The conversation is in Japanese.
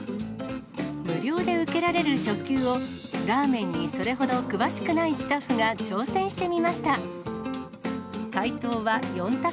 無料で受けられる初級を、ラーメンにそれほど詳しくないスタッフが挑戦してみました。